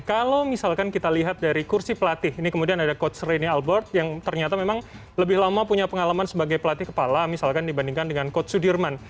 kalau misalkan kita lihat dari kursi pelatih ini kemudian ada coach reni albert yang ternyata memang lebih lama punya pengalaman sebagai pelatih kepala misalkan dibandingkan dengan coach sudirman